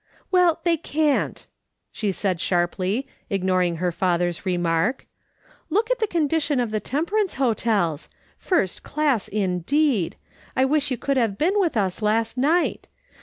" "Well, they can't," she said sharply, ignoring her father's remark. " Look at the condition of the temperance hotels ; first class, indeed ! I wish you could have been with us last night.